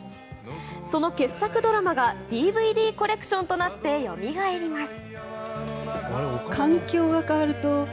その傑作ドラマがＤＶＤコレクションとなってよみがえります。